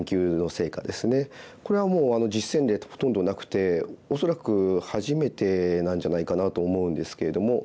これはもう実戦例ってほとんどなくて恐らく初めてなんじゃないかなと思うんですけれども。